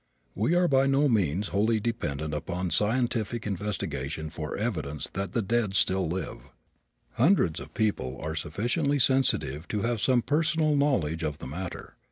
We are by no means wholly dependent upon scientific investigation for evidence that the dead still live. Hundreds of people are sufficiently sensitive to have some personal knowledge of the matter.